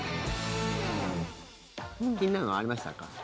気になるのありましたか？